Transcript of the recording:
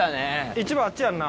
市場あっちやんな。